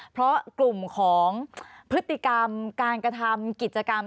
เพราะกลุ่มของพฤติกรรมการกระทำกิจกรรม